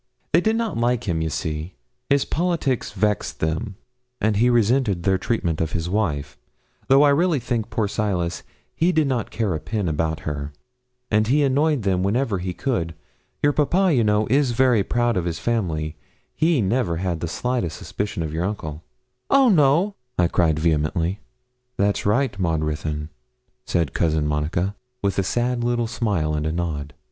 They did not like him, you see. His politics vexed them; and he resented their treatment of his wife though I really think, poor Silas, he did not care a pin about her and he annoyed them whenever he could. Your papa, you know, is very proud of his family he never had the slightest suspicion of your uncle.' 'Oh no!' I cried vehemently. 'That's right, Maud Ruthyn,' said Cousin Monica, with a sad little smile and a nod.